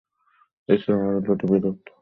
এছাড়াও আরো দুটি বিলুপ্ত প্রজাতির গোত্র রয়েছে।